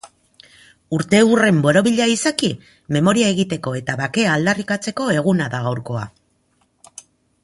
Urteurren borobila izaki, memoria egiteko eta bakea aldarrikatzeko eguna da gaurkoa.